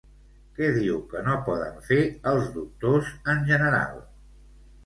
Què diu que no poden fer els doctors en general?